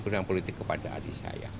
bidang politik kepada adik saya